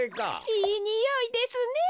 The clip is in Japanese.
いいにおいですね。